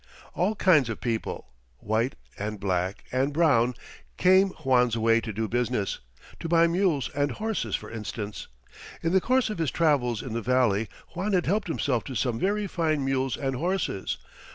All kinds of people white, and black, and brown came Juan's way to do business to buy mules and horses, for instance. In the course of his travels in the valley Juan had helped himself to some very fine mules and horses.